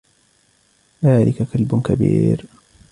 ذلك كلب كبير.